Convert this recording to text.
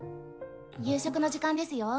夕食の時間ですよ。